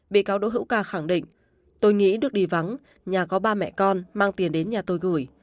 bị cáo đỗ hữu ca khẳng định tôi nghĩ được đi vắng nhà có ba mẹ con mang tiền đến nhà tôi gửi